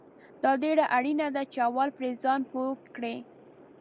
دا ډیره اړینه ده چې اول پرې ځان پوه کړې